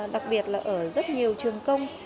đặc biệt là ở rất nhiều trường công